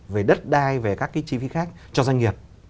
về đất đai về các cái chi phí khác cho doanh nghiệp